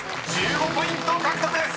［１５ポイント獲得です］